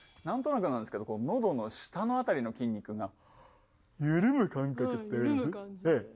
何となくなんですけどこう喉の下の辺りの筋肉がゆるむ感覚っていうんです？